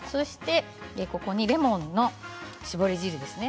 ここにレモンの搾り汁ですね。